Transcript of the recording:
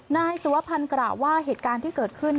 นายสุวพันธ์กล่าวว่าเหตุการณ์ที่เกิดขึ้น